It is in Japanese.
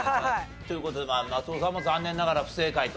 という事で松尾さんも残念ながら不正解と。